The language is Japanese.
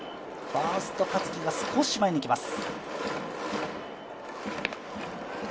ファースト・香月が少し前に来ます